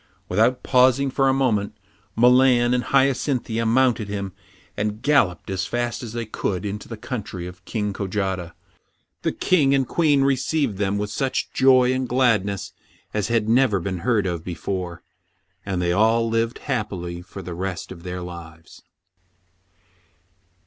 Without pausing for a moment, Milan and Hyacinthia mounted him and galloped as fast as they could into the country of King Kojata. The King and Queen received them with such joy and gladness as had never been heard of before, and they all lived happily for the rest of their lives.